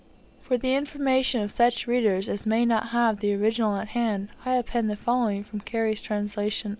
For the information of such readers as may not have the original at hand, I append the following from Cary's translation of Herodotus: (II.